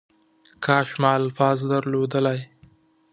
کاش ما الفاظ درلودلی .